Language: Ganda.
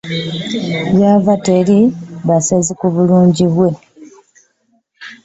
Gy'ava teri basezi ku bulungi bwe.